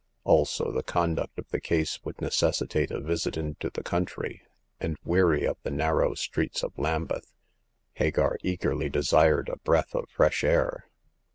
Also, the conduct of the case would necessitate a visit into the country ; and, weary of the narrow streets of Lambeth, Hagar eagerly desired a breath of fresh air.